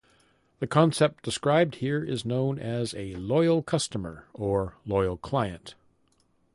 The concept described here is known as a "loyal customer" or "loyal client".